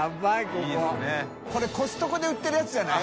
海コストコで売ってるヤツじゃない？